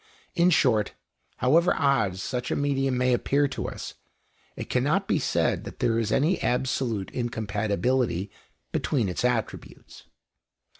In short, however odd such a medium may appear to us, it cannot be said that there is any absolute incompatibility between its attributes.